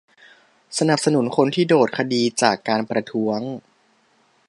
สนับสนุนคนที่โดนคดีจากการประท้วง